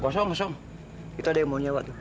kosong kosong kita ada yang mau nyawa tuh